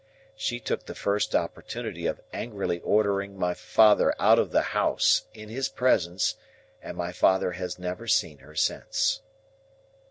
She took the first opportunity of angrily ordering my father out of the house, in his presence, and my father has never seen her since."